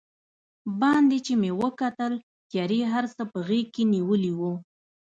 باندې چې مې وکتل، تیارې هر څه په غېږ کې نیولي و.